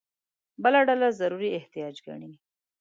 بله ډله ضروري احتیاج ګڼي.